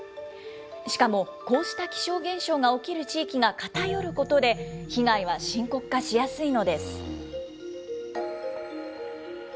しかもこうした気象現象が起きる地域が偏ることで、被害は深刻化しやすいのです。